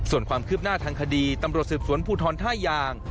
ส่วนความคืบหน้าทางคดีตำรวจสืบสวนภูทรท่ายาง